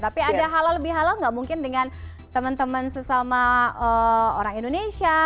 tapi ada halal bihalal nggak mungkin dengan teman teman sesama orang indonesia